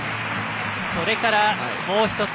それから、もう１つ。